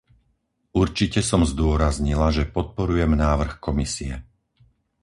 Určite som zdôraznila, že podporujem návrh Komisie.